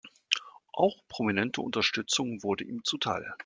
Auch prominente Unterstützung wurde ihm zuteil.